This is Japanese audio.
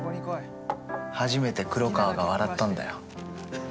初めて黒川が笑ったんだよ。